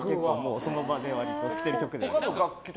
その場で割と知ってる曲であれば。